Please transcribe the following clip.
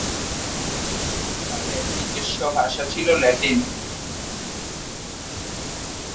তাদের নিজস্ব ভাষা ছিল ল্যাটিন।